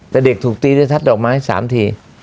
แต่เด็กถูกตีด้วยทัดดอกไม้๓ที